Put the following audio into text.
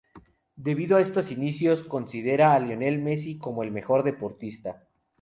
Debido a estos inicios, considera a Lionel Messi como el mejor deportista.